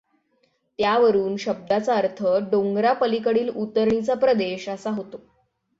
त्यावरून शब्दाचा अर्थ डोंगरापलीकडील उतरणीचा प्रदेश असा होतो.